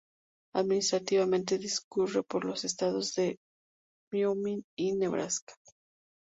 Administrativamente, discurre por los estados de Wyoming y Nebraska.